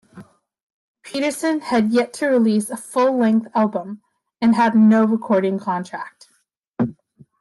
Peterson had yet to release a full-length album, and had no recording contract.